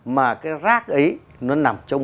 mà cái rác ấy nó nằm trong